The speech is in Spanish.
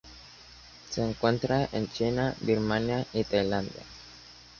Se encuentra en China, Birmania, y Tailandia.